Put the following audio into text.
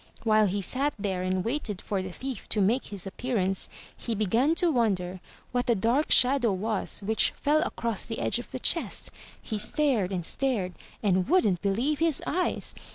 While he sat there and waited for the thief to make his appearance, he began to wonder what the dark shadow was which fell across the edge of the chest. He stared and stared and wouldn't believe his eyes.